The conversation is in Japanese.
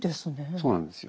そうなんですよ。